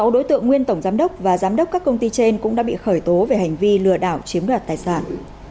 sáu đối tượng nguyên tổng giám đốc và giám đốc các công ty trên cũng đã bị khởi tố về hành vi lừa đảo chiếm đoạt tài sản